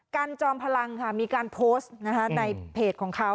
จอมพลังค่ะมีการโพสต์ในเพจของเขา